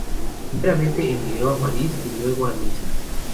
Primeramente emigró a Paris y luego a Niza.